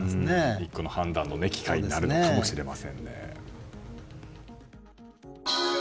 １個の判断の機会になるかもしれませんね。